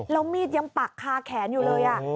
แล้วมีดยังปักคาแขนอยู่เลย